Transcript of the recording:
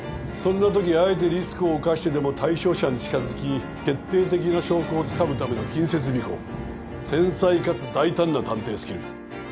そんなときあえてリスクを冒してでも対象者に近づき決定的な証拠をつかむための近接尾行繊細かつ大胆な探偵スキル